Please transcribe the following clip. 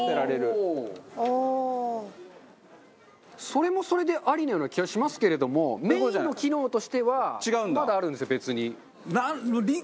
それもそれでありのような気はしますけれどもメインの機能としてはまだあるんですよ別に。